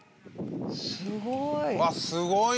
すごい。